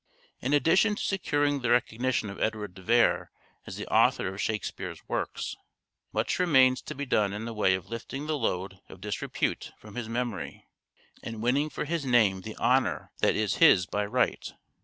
In addition to securing the recognition of Edward de Vere as the author of Shakespeare's works, much remains to be done in the way of lifting the load of disrepute from his memory, and winning for his name the honour that is his by right.